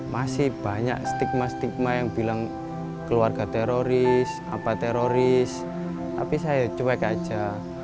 masih banyak stigma stigma yang bilang keluarga teroris apa teroris tapi saya cuek aja